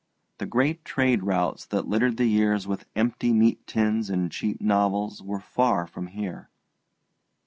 The great trade routes that littered the years with empty meat tins and cheap novels were far from here.